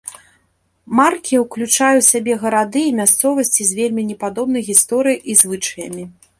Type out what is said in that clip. Марке ўключае ў сябе гарады і мясцовасці з вельмі непадобнай гісторыяй і звычаямі.